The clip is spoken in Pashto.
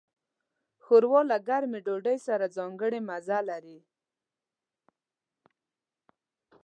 ښوروا له ګرمې ډوډۍ سره ځانګړی مزه لري.